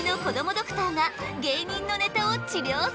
ドクターが芸人のネタを治りょうする！